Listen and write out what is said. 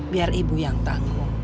biar ibu yang tangguh